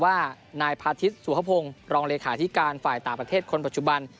ว่านายพาทิศสุภพงศ์รองเลขาธิการฝ่ายต่างประเทศคนปัจจุบัน